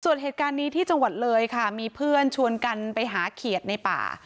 ส่วนเหตุการณ์นี้ที่จังหวัดเลยค่ะมีเพื่อนชวนกันไปหาเขียดในป่า